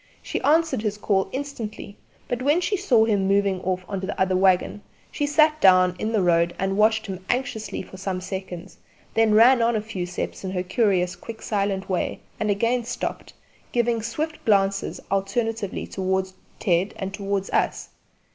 She answered his call instantly, but when she saw him moving off on the other waggon she sat down in the road and watched him anxiously for some seconds, then ran on a few steps in her curious quick silent way and again stopped, giving swift glances alternately towards Ted and towards us.